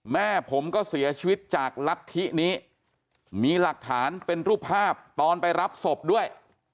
แม่ผมก็เสียชีวิตจากรัฐธินี้มีหลักฐานเป็นรูปภาพตอนไปรับศพด้วย